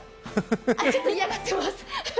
ちょっと嫌がってます。